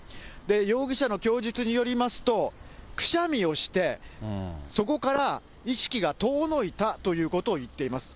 容疑者の供述によりますと、くしゃみをして、そこから意識が遠のいたということを言っています。